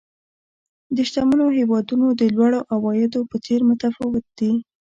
د شتمنو هېوادونو د لوړو عوایدو په څېر متفاوت دي.